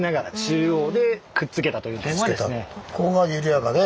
ここが緩やかで。